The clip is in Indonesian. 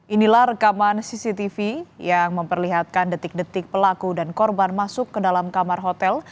inilah rekaman cctv yang memperlihatkan detik detik pelaku dan korban masuk ke dalam kamar hotel